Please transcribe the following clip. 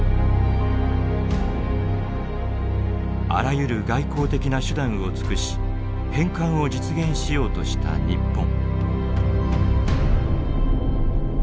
あらゆる外交的な手段を尽くし返還を実現しようとした日本。